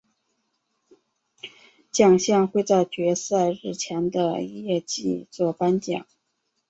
奖项会在决赛日前的夜祭作颁奖。